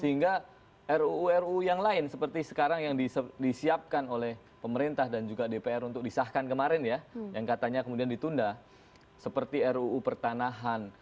sehingga ruu ruu yang lain seperti sekarang yang disiapkan oleh pemerintah dan juga dpr untuk disahkan kemarin ya yang katanya kemudian ditunda seperti ruu pertanahan